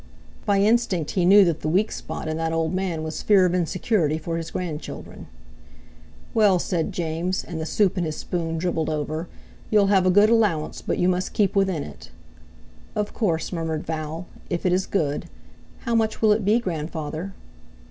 By instinct he knew that the weak spot in that old man was fear of insecurity for his grandchildren. "Well," said James, and the soup in his spoon dribbled over, "you'll have a good allowance; but you must keep within it." "Of course," murmured Val; "if it is good. How much will it be, Grandfather?"